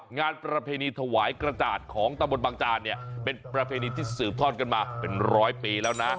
งานประเพณีถวายกระจาดของตะบนบางจานเนี่ยเป็นประเพณีที่สืบทอดกันมาเป็นร้อยปีแล้วนะ